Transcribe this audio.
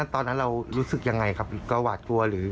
ตอนนั้นเรารู้สึกยังไงครับก็หวาดกลัวหรือ